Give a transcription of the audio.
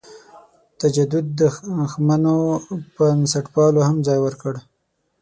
تجدد دښمنو بنسټپالو هم ځای ورکړ.